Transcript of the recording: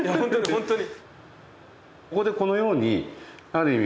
ここでこのようにある意味